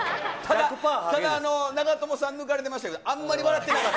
ただ、長友さん、抜かれてましたけど、あんまり笑ってなかった。